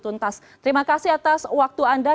tuntas terima kasih atas waktu anda